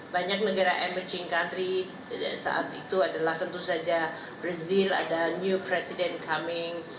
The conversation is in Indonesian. banyak negara emerging country saat itu adalah tentu saja brazil ada new president coming